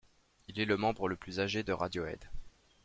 Il est le membre le plus âgé de Radiohead.